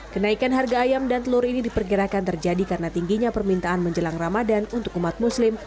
kenaikan harga ayam dan telur ini diperkirakan terjadi karena tingginya permintaan menjelang ramadan untuk umat muslim